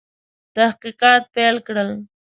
تحقیقات پیل کړل.